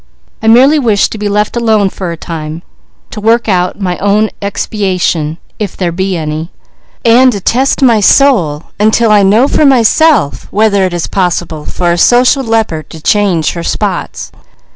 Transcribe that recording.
I merely wish to be left alone for a time; to work out my own expiation, if there be any; and to test my soul until I know for myself whether it is possible for a social leopard to change her spots.